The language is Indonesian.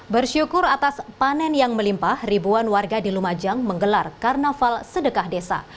bersyukur atas panen yang melimpah ribuan warga di lumajang menggelar karnaval sedekah desa